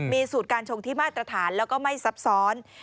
มีสูตรการชงที่มาตรฐานแล้วก็ไม่ซับซ้อน